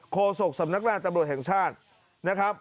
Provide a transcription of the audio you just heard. โศกสำนักงานตำรวจแห่งชาตินะครับ